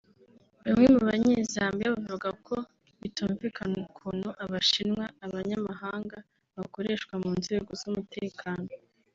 Bamwe mu banye-Zambia bavuga ko bitumvikana ukuntu abashinwa (abanyamahanga) bakoreshwa mu nzego z’umutekano